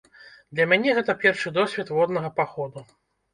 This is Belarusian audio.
Для мяне гэта першы досвед воднага паходу.